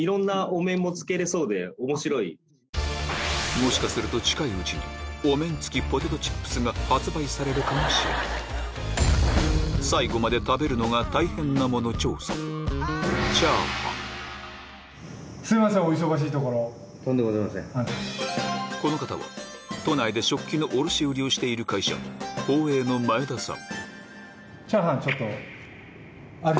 もしかすると近いうちにされるかもしれないこの方は都内で食器の卸売りをしている会社豊栄の前田さん